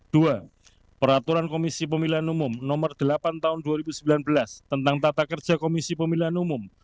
dua peraturan komisi pemilihan umum nomor delapan tahun dua ribu sembilan belas tentang tata kerja komisi pemilihan umum